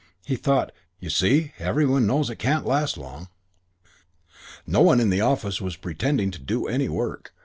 He thought, "You see, every one knows it can't last long." IV No one in the office was pretending to do any work.